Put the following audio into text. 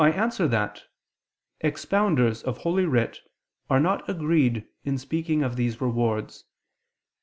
I answer that, Expounders of Holy Writ are not agreed in speaking of these rewards.